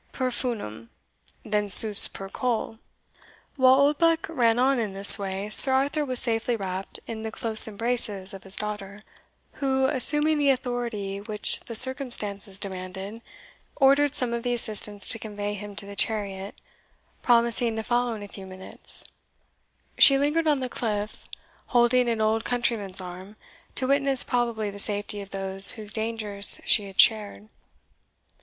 per funem_, than sus. per coll." While Oldbuck ran on in this way, Sir Arthur was safely wrapped in the close embraces of his daughter, who, assuming that authority which the circumstances demanded, ordered some of the assistants to convey him to the chariot, promising to follow in a few minutes, She lingered on the cliff, holding an old countryman's arm, to witness probably the safety of those whose dangers she had shared.